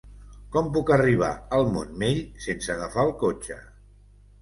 Com puc arribar al Montmell sense agafar el cotxe?